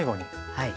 はい。